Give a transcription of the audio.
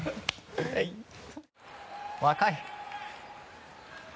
若い。